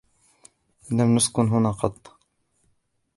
لم نسكن هنا قط.